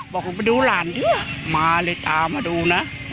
บอกว่าไปดูหลานด้วยมาเลยถามาดูนะ